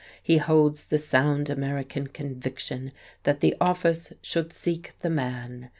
He holds the sound American conviction that the office should seek the man.